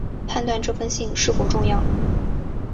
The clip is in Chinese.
判断这封信是否重要